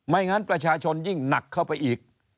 งั้นประชาชนยิ่งหนักเข้าไปอีก